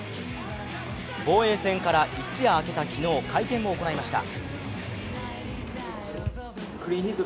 防衛戦から一夜明けた昨日、会見を行いました。